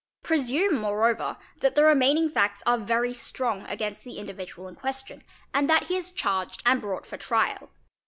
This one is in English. Presume moreover that the remaining facts are very strong against the individual in question and that he is charged and brought for trial.